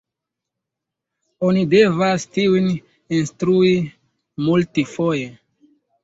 Oni devas tiujn instrui multfoje.